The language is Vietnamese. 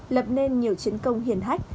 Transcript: lập nên nhiều chiến công hiền hách